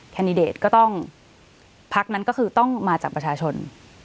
แนตก็ต้องพักนั้นก็คือต้องมาจากประชาชน